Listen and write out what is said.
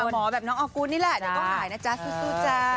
หมอแบบน้องออกูธนี่แหละเดี๋ยวก็หายนะจ๊ะสู้จ้า